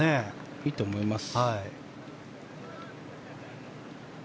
いいと思います。